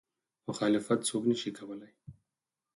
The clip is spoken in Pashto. مخالفت څوک نه شي کولی.